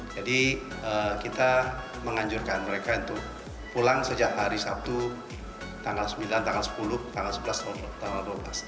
jadi kita menganjurkan mereka untuk pulang sejak hari sabtu tanggal sembilan tanggal sepuluh tanggal sebelas tanggal dua belas